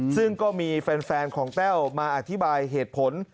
ซึ่งก็มีแฟนของแต้วมาอธิบายเหตุผล